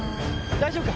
大丈夫か？